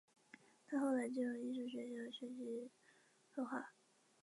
他后来进入艺术学校学习绘画。